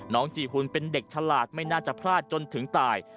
จีหุ่นเป็นเด็กฉลาดไม่น่าจะพลาดจนถึงตาย